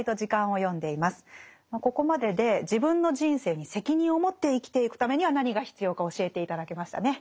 ここまでで自分の人生に責任を持って生きていくためには何が必要か教えて頂けましたね。